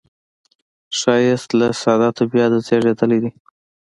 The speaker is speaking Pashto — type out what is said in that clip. ښایست له ساده طبعیته زیږېدلی دی